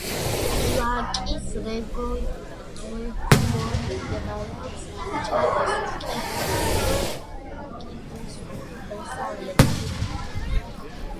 ლაკის რეგიონი მდებარეობს ჩადის უკიდურეს დასავლეთში.